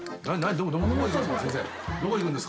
どこ行くんですか？